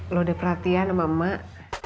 lu udah perhatian sama mak